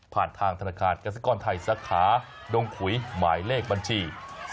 ทางธนาคารกษิกรไทยสาขาดงขุยหมายเลขบัญชี